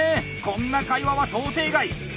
こんな会話は想定外！